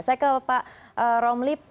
saya ke pak romli